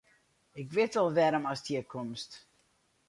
Ik wit al wêrom ast hjir komst.